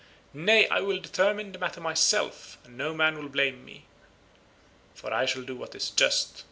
Nay, I will determine the matter myself, and no man will blame me, for I shall do what is just.